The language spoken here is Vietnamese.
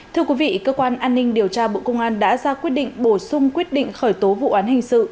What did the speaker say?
thưa quý vị cơ quan an ninh điều tra bộ công an đã ra quyết định bổ sung quyết định khởi tố vụ án hình sự